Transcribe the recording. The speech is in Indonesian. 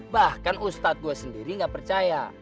bahkan ustadz gue sendiri gak percaya